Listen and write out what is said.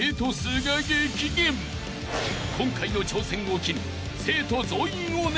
［今回の挑戦を機に］